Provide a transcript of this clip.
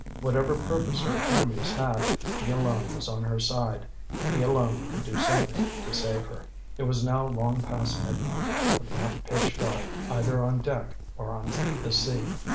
Whatever purpose her enemies had, he alone was on her side, he alone could do something to save her. It was now long past midnight, but not pitch dark either on deck or on the sea.